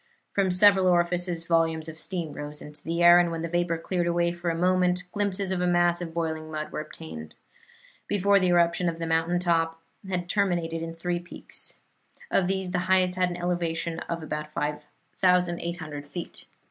From several orifices volumes of steam rose into the air, and when the vapor cleared away for a moment glimpses of a mass of boiling mud were obtained. Before the eruption the mountain top had terminated in three peaks. Of these the highest had an elevation of about 5,800 feet.